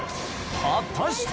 果たして⁉